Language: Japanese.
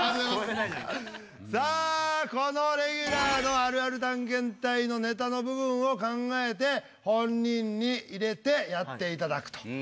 さあこのレギュラーのあるある探検隊のネタの部分を考えて本人に入れてやっていただくと。